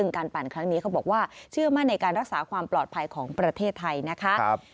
การปั่นครั้งนี้เขาบอกว่าเชื่อมั่นในการรักษาความปลอดภัยของประเทศไทยนะคะ